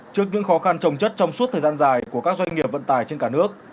trước những khó khăn trồng chất trong suốt thời gian dài của các doanh nghiệp vận tải trên cả nước